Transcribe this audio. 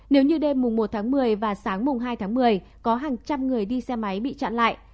nếu như đêm mùng một tháng một mươi và sáng mùng hai tháng một mươi có hàng trăm người đi xe máy bị chặn lại